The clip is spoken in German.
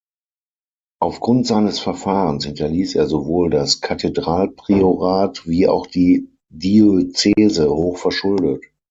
Aufgrund seines Verfahrens hinterließ er sowohl das Kathedralpriorat wie auch die Diözese hoch verschuldet.